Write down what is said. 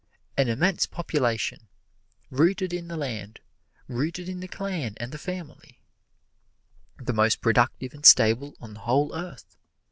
an immense population, rooted in the land, rooted in the clan and the family, The most productive and stable on the whole Earth.